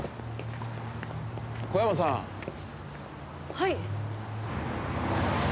はい。